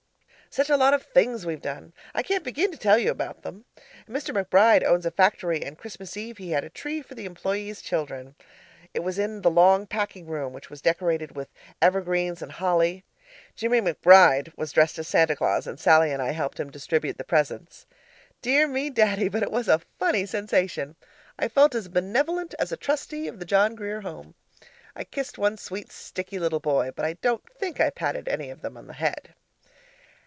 Such a lot of things we've done I can't begin to tell you about them. Mr. McBride owns a factory and Christmas eve he had a tree for the employees' children. It was in the long packing room which was decorated with evergreens and holly. Jimmie McBride was dressed as Santa Claus and Sallie and I helped him distribute the presents. Dear me, Daddy, but it was a funny sensation! I felt as benevolent as a Trustee of the John Grier home. I kissed one sweet, sticky little boy but I don't think I patted any of them on the head!